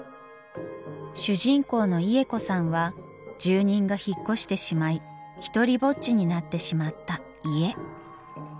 主人公のイエコさんは住人が引っ越してしまいひとりぼっちになってしまった家。